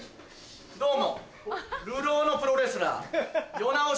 どうも。